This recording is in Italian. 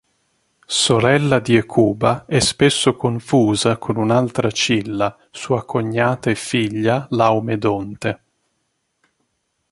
Sorella di Ecuba è spesso confusa con un'altra Cilla, sua cognata e figlia Laomedonte.